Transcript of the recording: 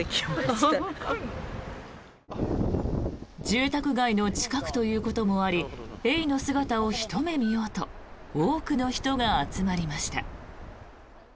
住宅街の近くということもありエイの姿をひと目見ようと多くの人が集まりました。